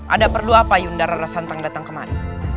ada perlu apa yundara santang datang kemari